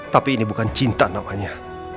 tapi ini bukan cinta namanya